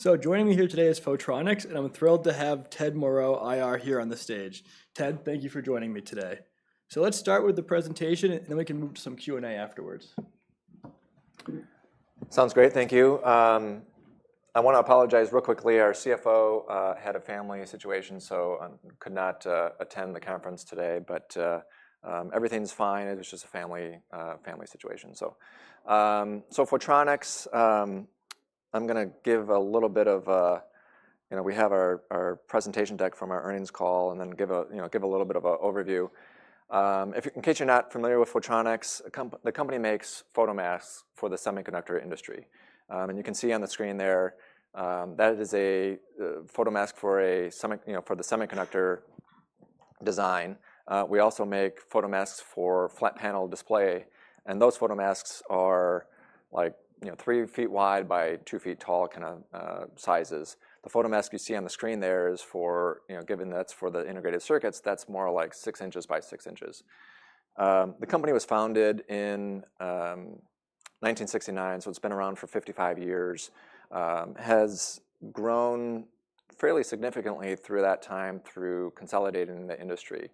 So joining me here today is Photronics, and I'm thrilled to have Ted Moreau, IR, here on the stage. Ted, thank you for joining me today. So let's start with the presentation, and then we can move to some Q&A afterwards. Sounds great, thank you. I want to apologize real quickly. Our CFO had a family situation, so I could not attend the conference today. But everything's fine. It was just a family situation. So Photronics, I'm going to give a little bit of, you know, we have our presentation deck from our earnings call, and then give a little bit of an overview. In case you're not familiar with Photronics, the company makes photomasks for the semiconductor industry. And you can see on the screen there that is a photomask for the semiconductor design. We also make photomasks for flat panel display. And those photomasks are like three feet wide by two feet tall kind of sizes. The photomask you see on the screen there is for, given that's for the integrated circuits, that's more like six inches by six inches. The company was founded in 1969, so it's been around for 55 years, has grown fairly significantly through that time through consolidating the industry,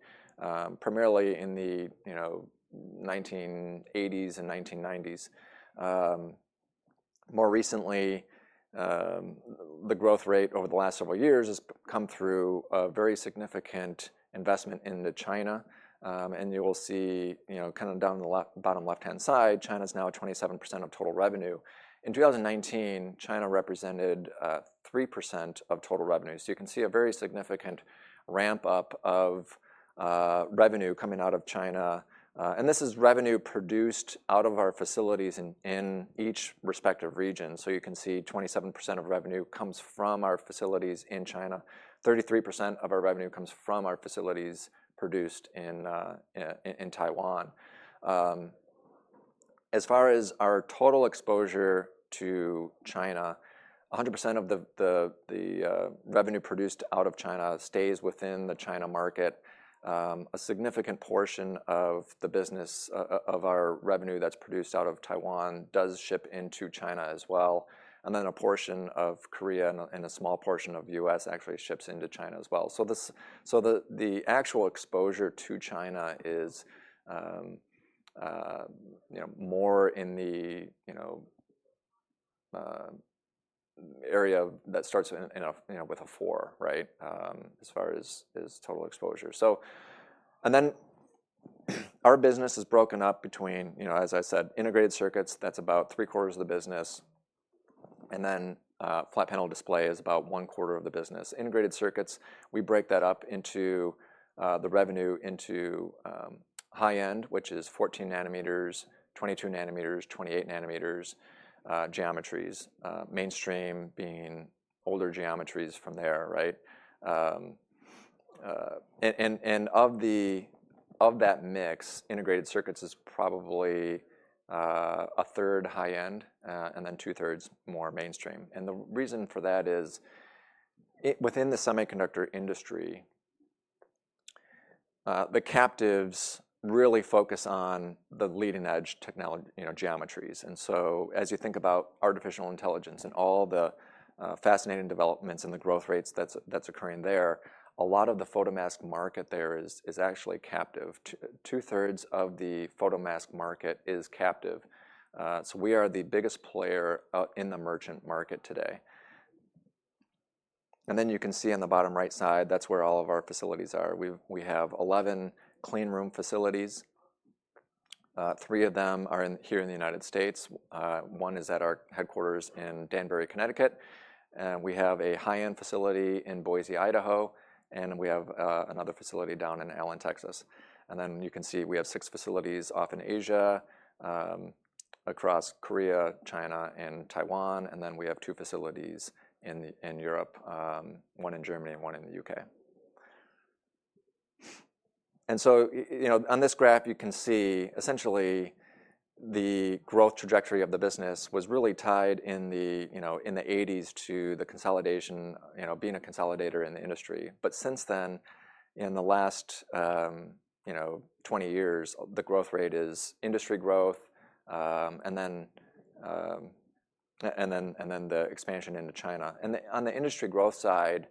primarily in the 1980s and 1990s. More recently, the growth rate over the last several years has come through a very significant investment into China, and you will see kind of down the bottom left-hand side, China is now at 27% of total revenue. In 2019, China represented 3% of total revenue, so you can see a very significant ramp-up of revenue coming out of China, and this is revenue produced out of our facilities in each respective region, so you can see 27% of revenue comes from our facilities in China. 33% of our revenue comes from our facilities produced in Taiwan. As far as our total exposure to China, 100% of the revenue produced out of China stays within the China market. A significant portion of the business of our revenue that's produced out of Taiwan does ship into China as well. And then a portion of Korea and a small portion of the U.S. actually ships into China as well. So the actual exposure to China is more in the area that starts with a four, right, as far as total exposure. And then our business is broken up between, as I said, integrated circuits, that's about three quarters of the business. And then flat panel display is about one quarter of the business. Integrated circuits, we break that up into the revenue into high-end, which is 14 nanometers, 22 nanometers, 28 nanometers geometries. Mainstream being older geometries from there, right? And of that mix, integrated circuits is probably a third high-end and then two thirds more mainstream. And the reason for that is within the semiconductor industry, the captives really focus on the leading edge geometries. And so as you think about artificial intelligence and all the fascinating developments and the growth rates that's occurring there, a lot of the photomask market there is actually captive. Two thirds of the photomask market is captive. So we are the biggest player in the merchant market today. And then you can see on the bottom right side, that's where all of our facilities are. We have 11 clean room facilities. Three of them are here in the United States. One is at our headquarters in Danbury, Connecticut. And we have a high-end facility in Boise, Idaho. And we have another facility down in Allen, Texas. And then you can see we have six facilities off in Asia, across Korea, China, and Taiwan. And then we have two facilities in Europe, one in Germany and one in the U.K. And so on this graph, you can see essentially the growth trajectory of the business was really tied in the 1980s to the consolidation, being a consolidator in the industry. But since then, in the last 20 years, the growth rate is industry growth and then the expansion into China. And on the industry growth side,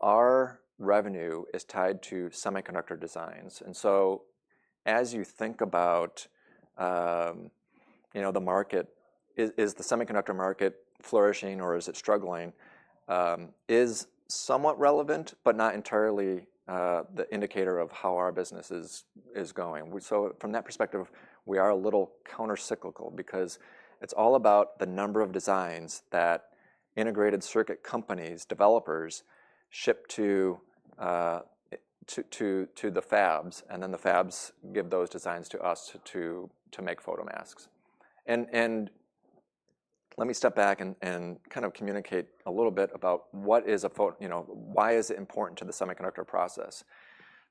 our revenue is tied to semiconductor designs. And so as you think about the market, is the semiconductor market flourishing or is it struggling? Is somewhat relevant, but not entirely the indicator of how our business is going. So from that perspective, we are a little countercyclical because it's all about the number of designs that integrated circuit companies, developers, ship to the fabs. And then the fabs give those designs to us to make photomasks. Let me step back and kind of communicate a little bit about what a photomask is and why it is important to the semiconductor process.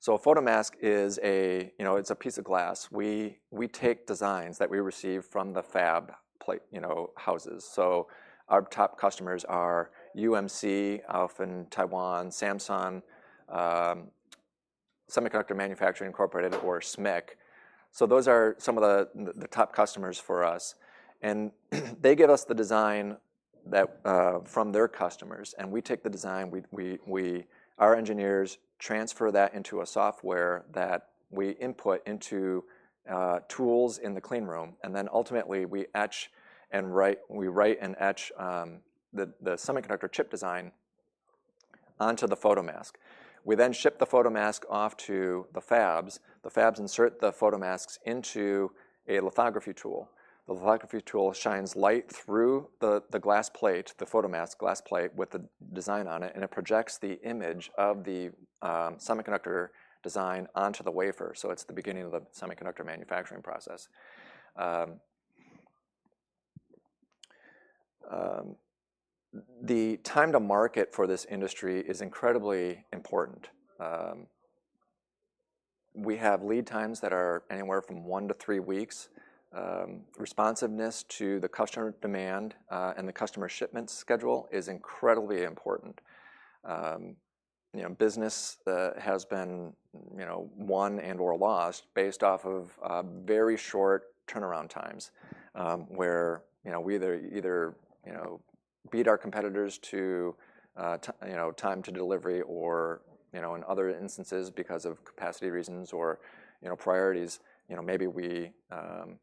A photomask is a piece of glass. We take designs that we receive from the fab houses. Our top customers are UMC of Taiwan, Samsung, Semiconductor Manufacturing International Corporation, or SMIC. Those are some of the top customers for us. They give us the design from their customers. We take the design. Our engineers transfer that into a software that we input into tools in the clean room. Then ultimately we etch and write. We write and etch the semiconductor chip design onto the photomask. We then ship the photomask off to the fabs. The fabs insert the photomasks into a lithography tool. The lithography tool shines light through the glass plate, the photomask glass plate with the design on it. It projects the image of the semiconductor design onto the wafer. It's the beginning of the semiconductor manufacturing process. The time to market for this industry is incredibly important. We have lead times that are anywhere from one to three weeks. Responsiveness to the customer demand and the customer shipment schedule is incredibly important. Business has been won and/or lost based off of very short turnaround times where we either beat our competitors to time to delivery or in other instances because of capacity reasons or priorities, maybe we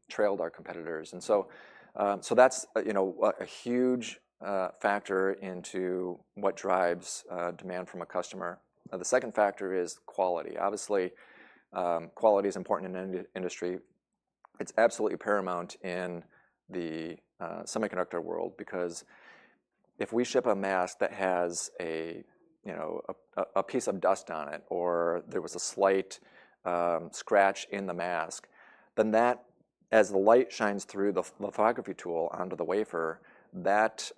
trailed our competitors. That's a huge factor into what drives demand from a customer. The second factor is quality. Obviously, quality is important in an industry. It's absolutely paramount in the semiconductor world because if we ship a mask that has a piece of dust on it or there was a slight scratch in the mask, then that, as the light shines through the lithography tool onto the wafer, that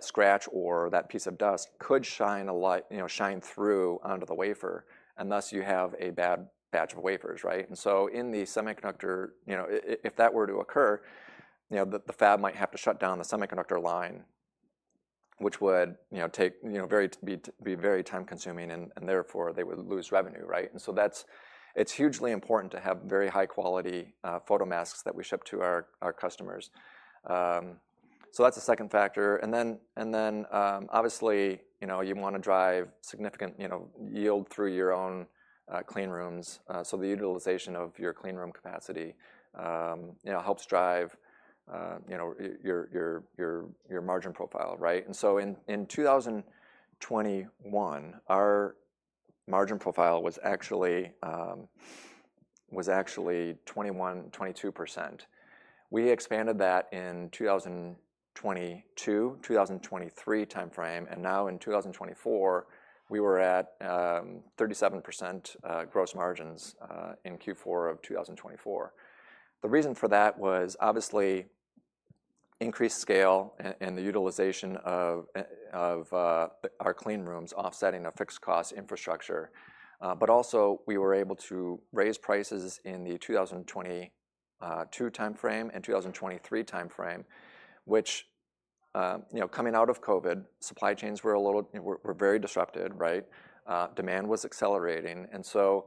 scratch or that piece of dust could shine through onto the wafer. And thus you have a bad batch of wafers, right? And so in the semiconductor, if that were to occur, the fab might have to shut down the semiconductor line, which would be very time-consuming and therefore they would lose revenue, right? And so it's hugely important to have very high-quality photomasks that we ship to our customers. So that's the second factor. And then obviously you want to drive significant yield through your own clean rooms. So the utilization of your clean room capacity helps drive your margin profile, right? And so in 2021, our margin profile was actually 21%-22%. We expanded that in the 2022-2023 timeframe. And now in 2024, we were at 37% gross margins in Q4 of 2024. The reason for that was obviously increased scale and the utilization of our clean rooms offsetting a fixed cost infrastructure. But also we were able to raise prices in the 2022 timeframe and 2023 timeframe, which coming out of COVID, supply chains were very disrupted, right? Demand was accelerating. And so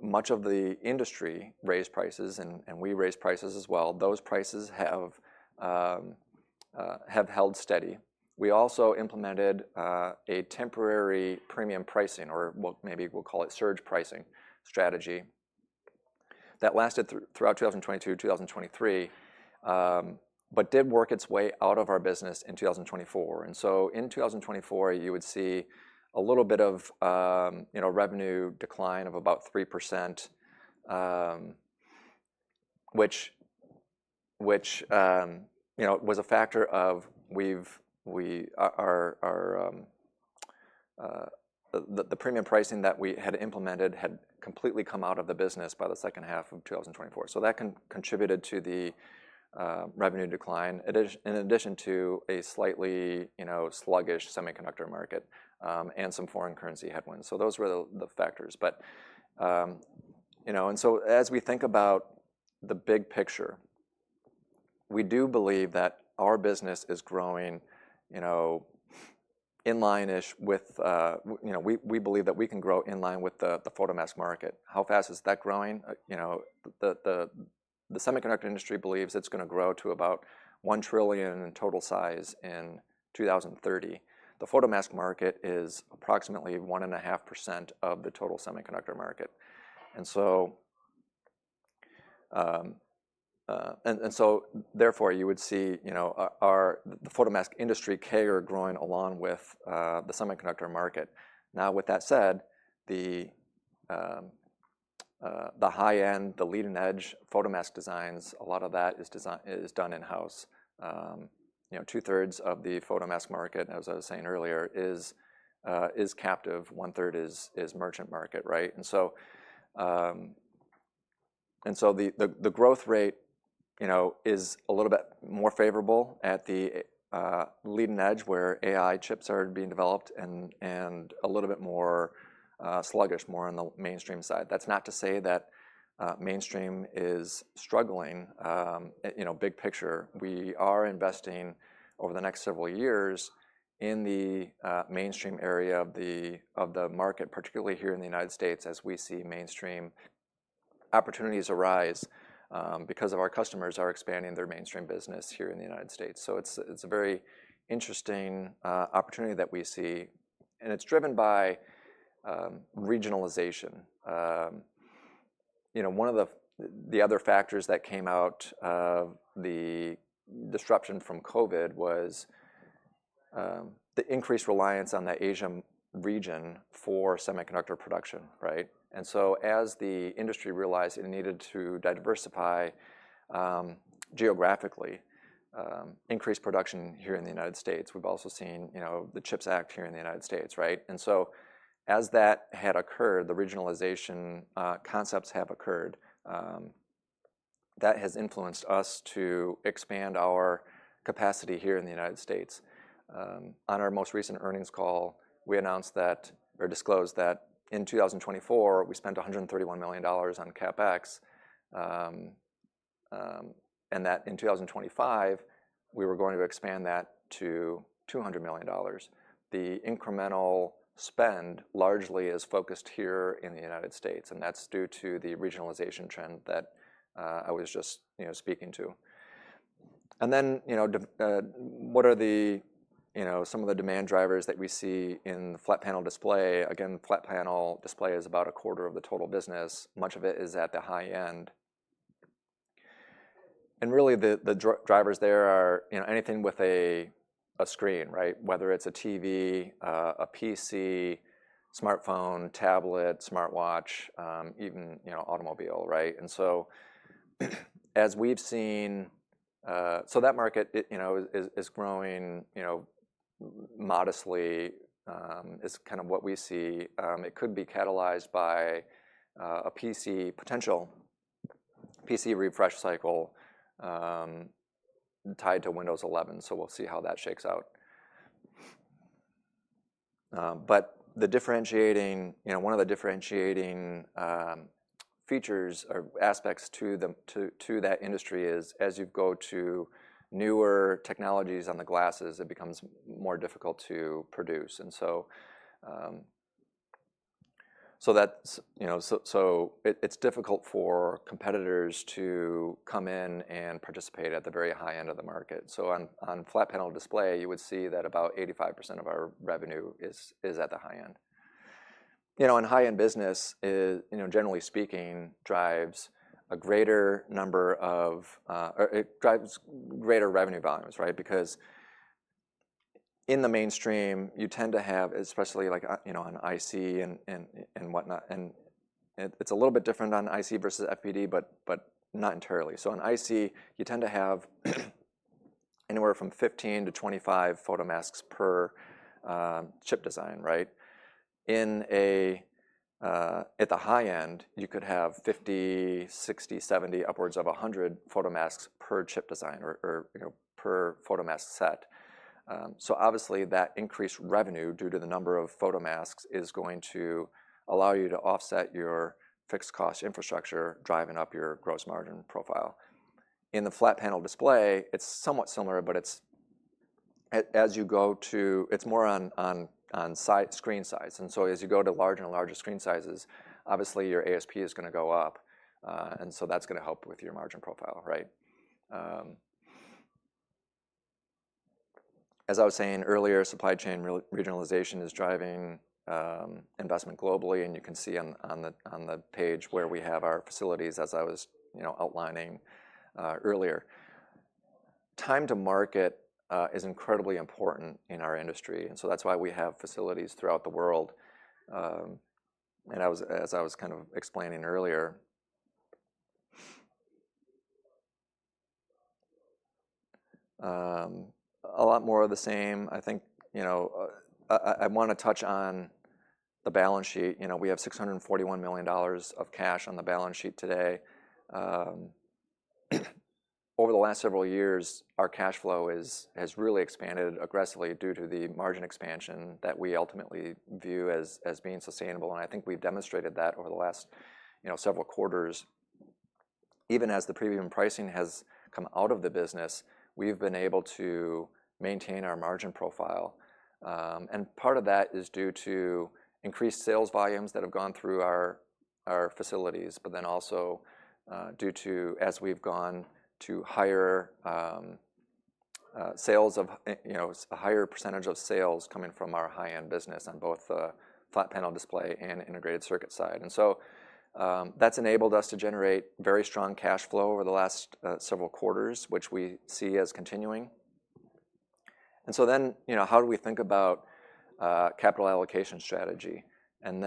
much of the industry raised prices and we raised prices as well. Those prices have held steady. We also implemented a temporary premium pricing or maybe we'll call it surge pricing strategy that lasted throughout 2022-2023, but did work its way out of our business in 2024. And so in 2024, you would see a little bit of revenue decline of about 3%, which was a factor of the premium pricing that we had implemented had completely come out of the business by the second half of 2024. So that contributed to the revenue decline in addition to a slightly sluggish semiconductor market and some foreign currency headwinds. So those were the factors. And so as we think about the big picture, we do believe that our business is growing in line-ish with, we believe that we can grow in line with the photomask market. How fast is that growing? The semiconductor industry believes it's going to grow to about $1 trillion in total size in 2030. The photomask market is approximately 1.5% of the total semiconductor market. And so therefore you would see the photomask industry is growing along with the semiconductor market. Now with that said, the high-end, the leading edge photomask designs, a lot of that is done in-house. Two thirds of the photomask market, as I was saying earlier, is captive. One third is merchant market, right? And so the growth rate is a little bit more favorable at the leading edge where AI chips are being developed and a little bit more sluggish, more on the mainstream side. That's not to say that mainstream is struggling. Big picture, we are investing over the next several years in the mainstream area of the market, particularly here in the United States as we see mainstream opportunities arise because our customers are expanding their mainstream business here in the United States. So it's a very interesting opportunity that we see. And it's driven by regionalization. One of the other factors that came out of the disruption from COVID was the increased reliance on the Asian region for semiconductor production, right? And so as the industry realized it needed to diversify geographically, increased production here in the United States. We've also seen the CHIPS Act here in the United States, right? And so as that had occurred, the regionalization concepts have occurred. That has influenced us to expand our capacity here in the United States. On our most recent earnings call, we announced that or disclosed that in 2024, we spent $131 million on CapEx. And that in 2025, we were going to expand that to $200 million. The incremental spend largely is focused here in the United States. And that's due to the regionalization trend that I was just speaking to. And then what are some of the demand drivers that we see in the flat panel display? Again, flat panel display is about a quarter of the total business. Much of it is at the high end. And really the drivers there are anything with a screen, right? Whether it's a TV, a PC, smartphone, tablet, smartwatch, even automobile, right? And so as we've seen, so that market is growing modestly is kind of what we see. It could be catalyzed by a PC potential PC refresh cycle tied to Windows 11. So we'll see how that shakes out. But the differentiating, one of the differentiating features or aspects to that industry is as you go to newer technologies on the glasses, it becomes more difficult to produce. And so it's difficult for competitors to come in and participate at the very high end of the market. So on flat panel display, you would see that about 85% of our revenue is at the high end. And high-end business, generally speaking, drives a greater number of, it drives greater revenue volumes, right? Because in the mainstream, you tend to have, especially like on IC and whatnot. And it's a little bit different on IC versus FPD, but not entirely. So on IC, you tend to have anywhere from 15 to 25 photomasks per chip design, right? At the high end, you could have 50, 60, 70, upwards of 100 photomasks per chip design or per photomask set. So obviously that increased revenue due to the number of photomasks is going to allow you to offset your fixed cost infrastructure driving up your gross margin profile. In the flat panel display, it's somewhat similar, but it's as you go to, it's more on screen size. As you go to larger and larger screen sizes, obviously your ASP is going to go up. And so that's going to help with your margin profile, right? As I was saying earlier, supply chain regionalization is driving investment globally. And you can see on the page where we have our facilities, as I was outlining earlier. Time to market is incredibly important in our industry. And so that's why we have facilities throughout the world. And as I was kind of explaining earlier, a lot more of the same. I think I want to touch on the balance sheet. We have $641 million of cash on the balance sheet today. Over the last several years, our cash flow has really expanded aggressively due to the margin expansion that we ultimately view as being sustainable. And I think we've demonstrated that over the last several quarters. Even as the premium pricing has come out of the business, we've been able to maintain our margin profile, and part of that is due to increased sales volumes that have gone through our facilities, but then also due to, as we've gone to higher sales of a higher percentage of sales coming from our high-end business on both the flat panel display and integrated circuit side, and so that's enabled us to generate very strong cash flow over the last several quarters, which we see as continuing, and so then how do we think about capital allocation strategy, and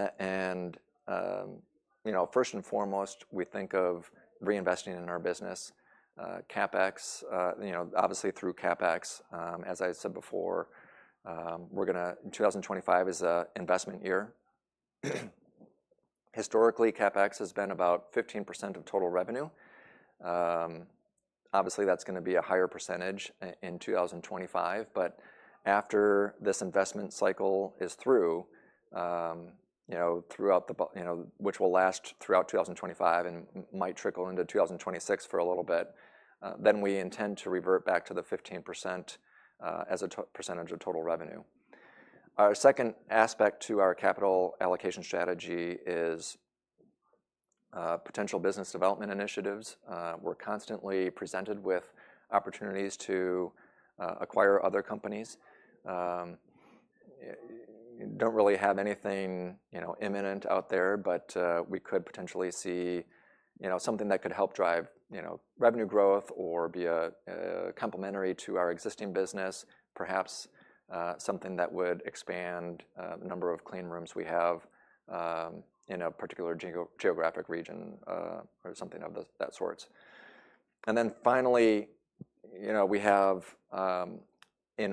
first and foremost, we think of reinvesting in our business, CapEx, obviously through CapEx. As I said before, we're going to, 2025 is an investment year. Historically, CapEx has been about 15% of total revenue. Obviously, that's going to be a higher percentage in 2025. But after this investment cycle is through, which will last throughout 2025 and might trickle into 2026 for a little bit, then we intend to revert back to the 15% as a percentage of total revenue. Our second aspect to our capital allocation strategy is potential business development initiatives. We're constantly presented with opportunities to acquire other companies. Don't really have anything imminent out there, but we could potentially see something that could help drive revenue growth or be complementary to our existing business, perhaps something that would expand the number of clean rooms we have in a particular geographic region or something of that sort. And then finally, in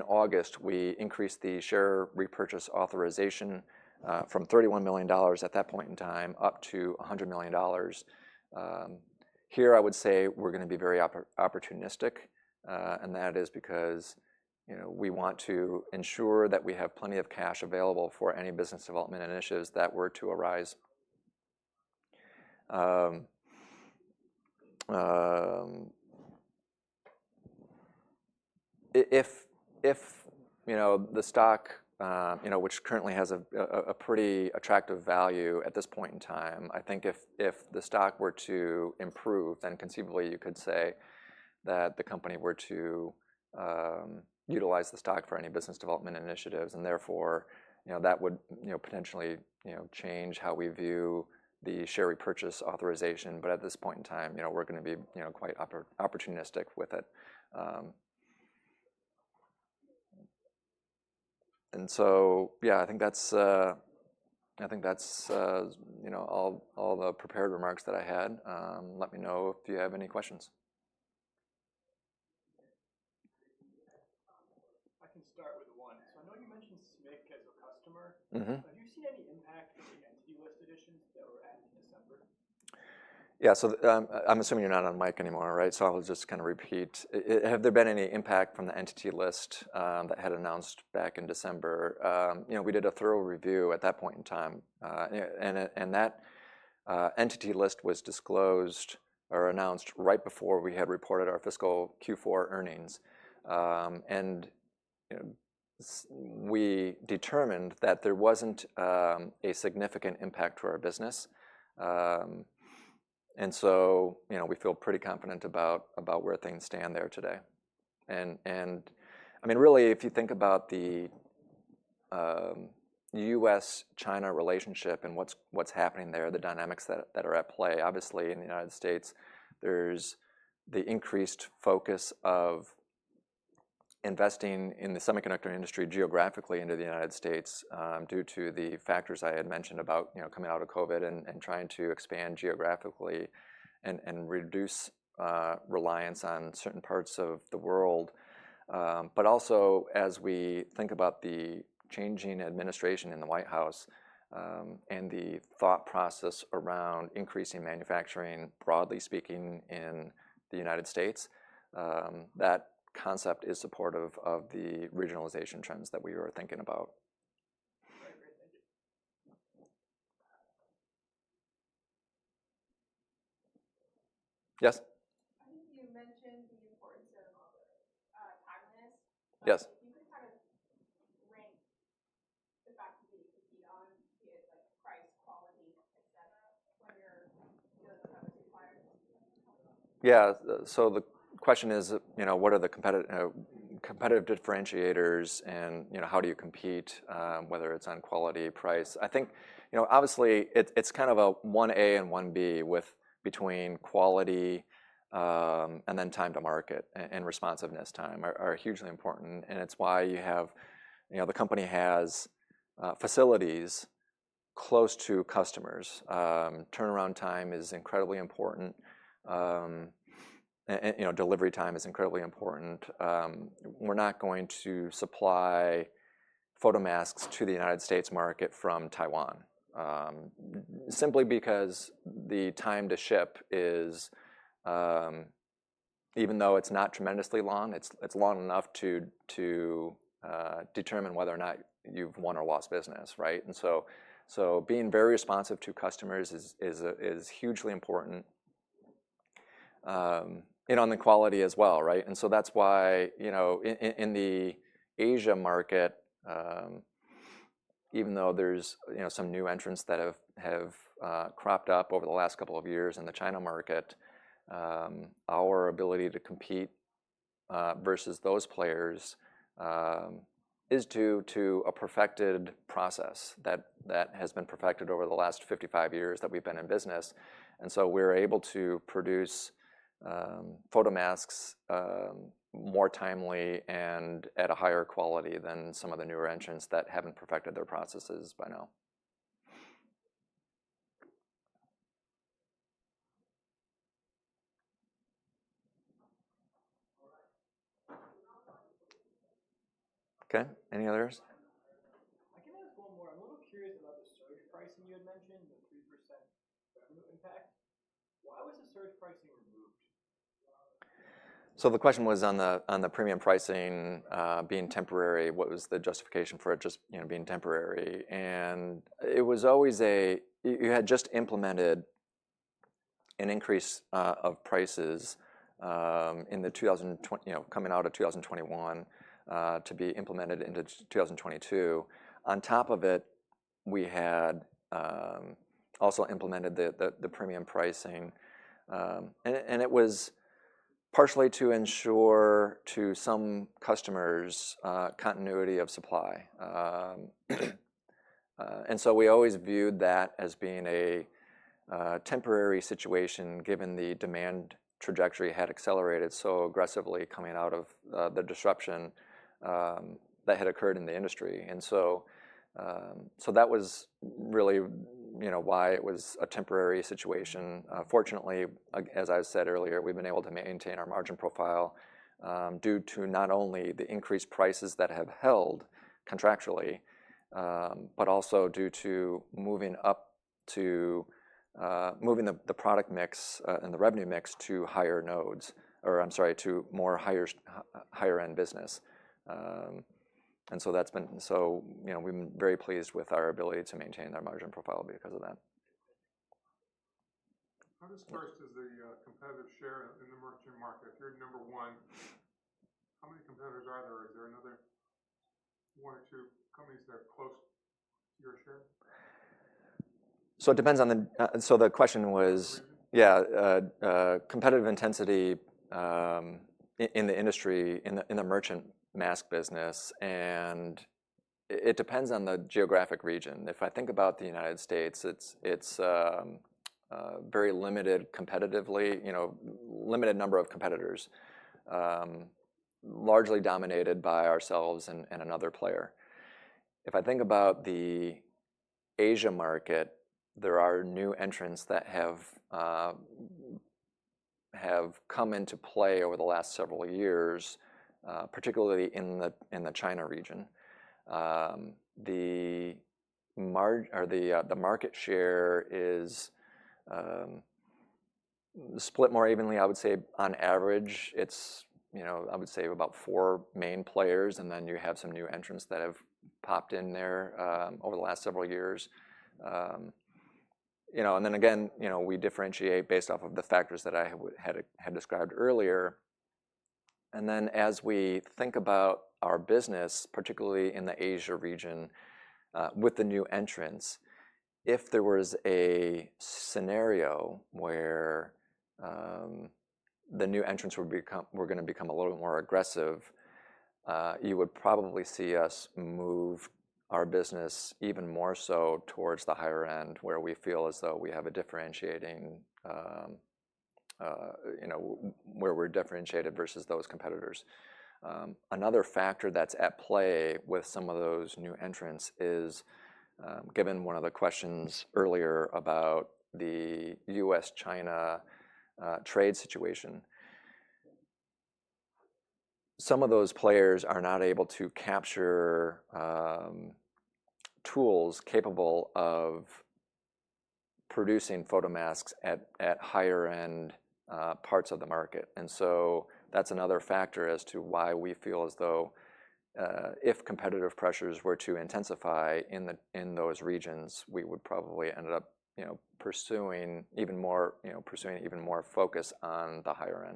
August we increased the share repurchase authorization from $31 million at that point in time up to $100 million. Here, I would say we're going to be very opportunistic. And that is because we want to ensure that we have plenty of cash available for any business development initiatives that were to arise. If the stock, which currently has a pretty attractive value at this point in time, I think if the stock were to improve, then conceivably you could say that the company were to utilize the stock for any business development initiatives. And therefore, that would potentially change how we view the share repurchase authorization. But at this point in time, we're going to be quite opportunistic with it. And so, yeah, I think that's all the prepared remarks that I had. Let me know if you have any questions. I can start with one. So I know you mentioned SMIC as a customer. Have you seen any impact in the entity list additions that were added in December? I can start with one. So I know you mentioned SMIC as a customer. Have you seen any impact in the entity list additions that were added in December? Yeah. So I'm assuming you're not on mic anymore, right? So I'll just kind of repeat. Have there been any impact from the entity list that had announced back in December? We did a thorough review at that point in time, and that entity list was disclosed or announced right before we had reported our fiscal Q4 earnings, and we determined that there wasn't a significant impact for our business, and so we feel pretty confident about where things stand there today, and I mean, really, if you think about the U.S.-China relationship and what's happening there, the dynamics that are at play, obviously in the United States, there's the increased focus of investing in the semiconductor industry geographically into the United States due to the factors I had mentioned about coming out of COVID and trying to expand geographically and reduce reliance on certain parts of the world. But also as we think about the changing administration in the White House and the thought process around increasing manufacturing, broadly speaking, in the United States, that concept is supportive of the regionalization trends that we were thinking about. Great. Thank you. Yes? I think you mentioned the importance of timeliness. Yes. You could kind of bank on the fact that you could beat on the price quality, etc., when you're dealing with that required. Yeah, so the question is, what are the competitive differentiators and how do you compete, whether it's on quality, price? I think obviously it's kind of a one A and one B between quality and then time to market and responsiveness time are hugely important, and it's why the company has facilities close to customers. Turnaround time is incredibly important. Delivery time is incredibly important. We're not going to supply photomasks to the United States market from Taiwan simply because the time to ship is, even though it's not tremendously long, it's long enough to determine whether or not you've won or lost business, right, and so being very responsive to customers is hugely important and on the quality as well, right? And so that's why in the Asia market, even though there's some new entrants that have cropped up over the last couple of years in the China market, our ability to compete versus those players is due to a perfected process that has been perfected over the last 55 years that we've been in business. And so we're able to produce photomasks more timely and at a higher quality than some of the newer entrants that haven't perfected their processes by now. Okay. Any others? I can ask one more. I'm a little curious about the surge pricing you had mentioned, the 3% revenue impact. Why was the surge pricing removed? So the question was on the premium pricing being temporary. What was the justification for it just being temporary? And it was always a you had just implemented an increase of prices in the coming out of 2021 to be implemented into 2022. On top of it, we had also implemented the premium pricing. And it was partially to ensure to some customers continuity of supply. And so we always viewed that as being a temporary situation given the demand trajectory had accelerated so aggressively coming out of the disruption that had occurred in the industry. And so that was really why it was a temporary situation. Fortunately, as I said earlier, we've been able to maintain our margin profile due to not only the increased prices that have held contractually, but also due to moving up the product mix and the revenue mix to higher nodes or I'm sorry, to more higher-end business. And so that's been, so we've been very pleased with our ability to maintain our margin profile because of that. How does first is the competitive share in the merchant market? If you're number one, how many competitors are there? Is there another one or two companies that are close to your share? The question was, yeah, competitive intensity in the industry, in the merchant mask business, and it depends on the geographic region. If I think about the United States, it's very limited competitively, limited number of competitors, largely dominated by ourselves and another player. If I think about the Asia market, there are new entrants that have come into play over the last several years, particularly in the China region. The market share is split more evenly, I would say on average, I would say about four main players, and then you have some new entrants that have popped in there over the last several years, and then again, we differentiate based off of the factors that I had described earlier. Then as we think about our business, particularly in the Asia region with the new entrants, if there was a scenario where the new entrants were going to become a little bit more aggressive, you would probably see us move our business even more so towards the higher end where we feel as though we have a differentiating, where we're differentiated versus those competitors. Another factor that's at play with some of those new entrants is given one of the questions earlier about the U.S.-China trade situation. Some of those players are not able to capture tools capable of producing photomasks at higher-end parts of the market. So that's another factor as to why we feel as though if competitive pressures were to intensify in those regions, we would probably end up pursuing even more focus on the higher.